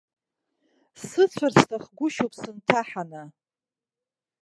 Сыцәар сҭахгәышьоуп сынҭаҳаны.